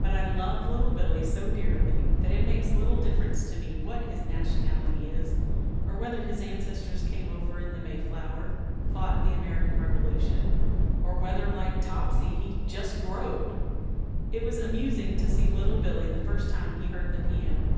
But I love Little Billee so dearly that it makes little difference to me what his nationality is or whether his ancestors came over in the Mayflower, fought in the American revolution, or whether, like Topsy, he "just growed." It was amusing to see Little Billee the first time he heard the piano.